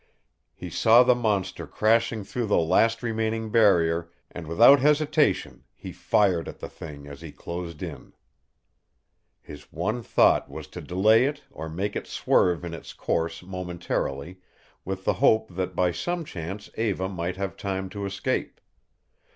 He saw the monster crashing through the last remaining barrier, and without hesitation he fired at the thing as he closed in. His one thought was to delay it or make it swerve in its course momentarily, with the hope that by some chance Eva might have time to escape.